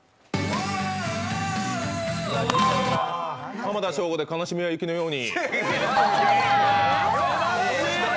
浜田省吾で「悲しみは雪のように」。